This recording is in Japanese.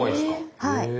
はい。